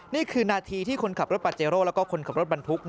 นี่คือนาทีที่คนขับรถปาเจโร่แล้วก็คนขับรถบรรทุก